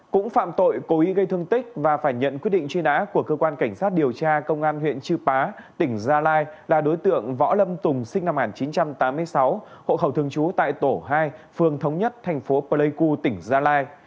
cũng phạm tội cố ý gây thương tích và phải nhận quyết định truy nã của cơ quan cảnh sát điều tra công an huyện chư pá tỉnh gia lai là đối tượng võ lâm tùng sinh năm một nghìn chín trăm tám mươi sáu hộ khẩu thường trú tại tổ hai phường thống nhất thành phố pleiku tỉnh gia lai